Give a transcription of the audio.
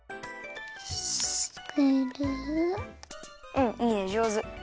うんいいねじょうず。